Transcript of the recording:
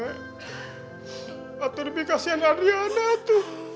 kalo dia lebih kasihan sama adriana tuh